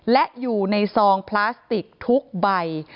และอยู่ในซองพลาสติกทุกใบ